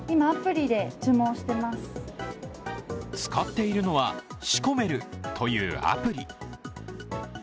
使っているのはシコメルというアプリ。